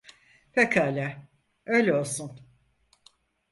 Pekâlâ, öyle olsun.